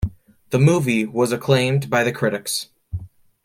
The movie was acclaimed by the critics.